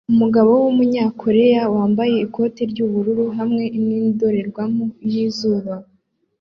Umugabo wumunyakoreya wambaye ikoti ryubururu hamwe nindorerwamo yizuba